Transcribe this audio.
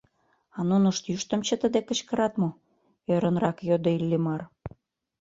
«А нунышт йӱштым чытыде кычкырат мо?» — ӧрынрак йодо Иллимар.